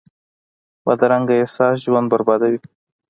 بدرنګه احساس ژوند بربادوي